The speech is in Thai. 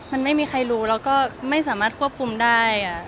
มันไม่มีใครรู้แล้วก็ไม่สามารถควบคุมได้